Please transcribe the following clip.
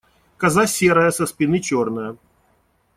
Коза серая, со спины черная.